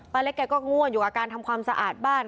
ป้าเล็กก็ง่วงอยู่กับการทำความสะอาดบ้าน